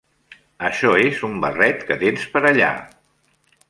Això és un barret que tens per allà.